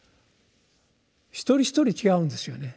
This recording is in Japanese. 一人一人違うんですよね。